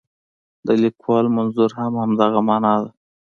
د لیکوال منظور هم همدغه معنا ده.